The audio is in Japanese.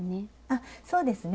あっそうですね。